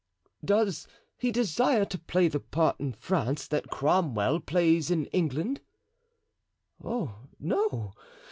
"Does he desire to play the part in France that Cromwell plays in England?" "Oh, no!